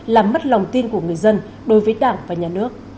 làm mất lòng tin của người dân đối với đảng và nhà nước